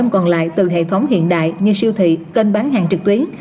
ba mươi còn lại từ hệ thống hiện đại như siêu thị kênh bán hàng trực tuyến